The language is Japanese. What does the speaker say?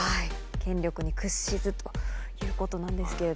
権力に屈しずということなんですけれども。